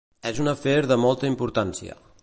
És un afer de molta importància.